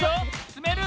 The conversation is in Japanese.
つめる？